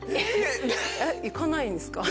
行かないんですか？